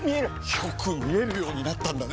よく見えるようになったんだね！